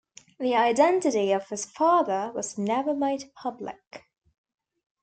The identity of his father was never made public.